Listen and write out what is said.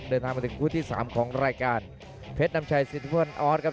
เดินทางมาถึงคู่ที่สามของรายการเพชรนำชัยซิทเวิร์นออสครับ